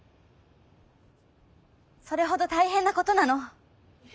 それほど大変なことなの。